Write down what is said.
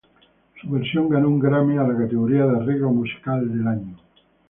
Su versión ganó un Grammy en la categoría de Arreglo Musical del Año.